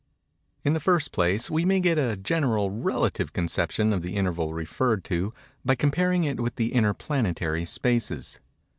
In the first place, we may get a general, relative conception of the interval referred to, by comparing it with the inter planetary spaces.